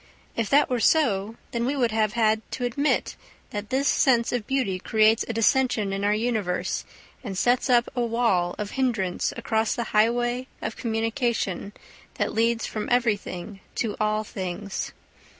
If that were so, then we would have had to admit that this sense of beauty creates a dissension in our universe and sets up a wall of hindrance across the highway of communication that leads from everything to all things.